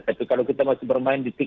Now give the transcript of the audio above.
tapi kalau kita masih bermain di tiga